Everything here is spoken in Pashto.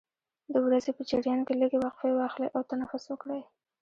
د ورځې په جریان کې لږې وقفې واخلئ او تنفس وکړئ.